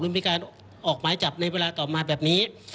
มันมีการออกหมายจับในเวลาต่อมาแบบนี้